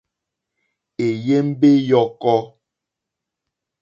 Èyémbé ǃyɔ́kɔ́.